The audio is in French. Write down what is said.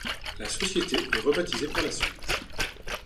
La société est rebaptisé par la suite.